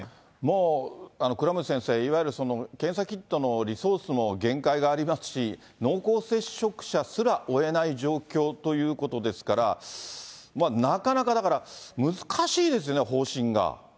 もう倉持先生、いわゆる検査キットのリソースも限界がありますし、濃厚接触者すら追えない状況ということですから、なかなかだから難しいですよね、方針が。